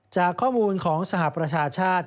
จากข้อมูลของสหประชาชาติ